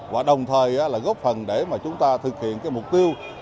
và đồng thời góp phần để chúng ta thực hiện mục tiêu